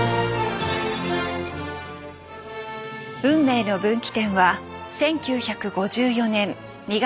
運命の分岐点は１９５４年２月１９日。